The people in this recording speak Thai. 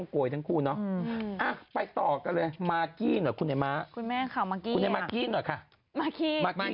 เก็บตังค์ของคุณแม่โกยก่อนสิ